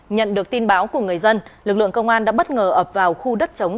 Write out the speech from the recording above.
nhận được tin báo của người dân lực lượng công an đã bất ngờ ập vào khu đất chống